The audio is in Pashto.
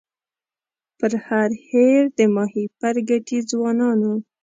پر هر هېر د ماهیپر ګټي ځوانانو